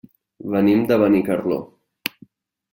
Venim de Benicarló.